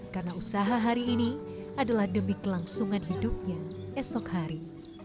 karena usaha hari ini adalah demi kelangsungan hidupnya esok hari